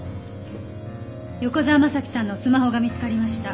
横沢征さんのスマホが見つかりました。